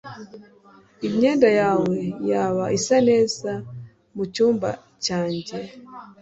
imyenda yawe yaba isa neza mu cyumba cyanjye